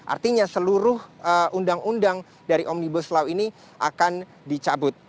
artinya seluruh undang undang dari omnibus law ini akan dicabut